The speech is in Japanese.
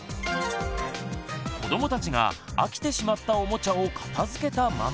子どもたちが飽きてしまったおもちゃを片づけたママ。